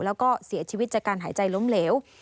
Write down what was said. แล้วก็เสียชีวิตจากการหายใจล้มเหลว